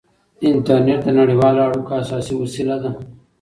انټرنېټ د نړیوالو اړیکو اساسي وسیله ده.